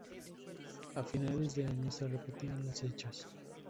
A finales de año se repetían los hechos.